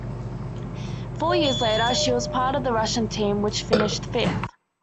Four years later she was part of the Russian team which finished fifth.